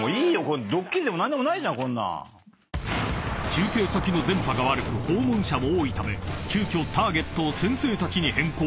［中継先の電波が悪く訪問者も多いため急きょターゲットを先生たちに変更］